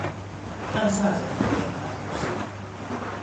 曼萨人口变化图示